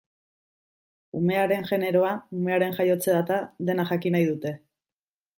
Umearen generoa, umearen jaiotze data, dena jakin nahi dute.